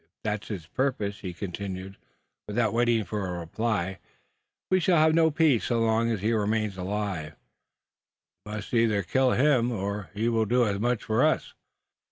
If that's his purpose," he continued, without waiting for a reply, "we shall have no peace so long as he remains alive. We must either kill him, or he will do as much for us."